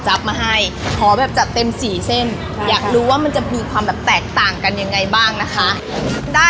ใช่มันต้องไปทางเดียวกันหลังจากนั้นจะเอาแป้งเทแล้วนะคะ